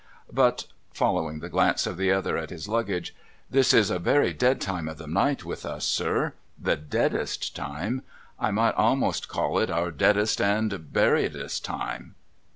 But,' following the glance of the other at his luggage, ' this is a very dead time of the night with us, sir. The deadest time. I might a'most call it our deadest and huriedest time.'